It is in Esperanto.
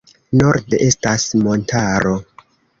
Norde estas montaro.